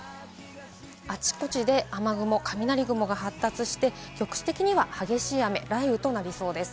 あちこちで雨雲、雷雲が発達して、局地的には激しい雨、雷雨となりそうです。